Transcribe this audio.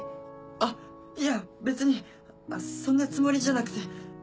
あっいや別にそんなつもりじゃなくて。